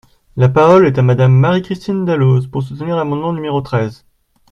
La parole est à Madame Marie-Christine Dalloz, pour soutenir l’amendement numéro treize.